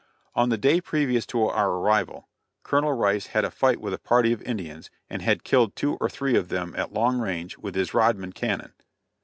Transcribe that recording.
On the day previous to our arrival, Colonel Rice had a fight with a party of Indians, and had killed two or three of them at long range with his Rodman cannon.